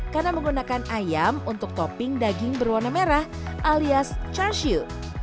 karena menggunakan ayam untuk topping daging berwarna merah alias chashu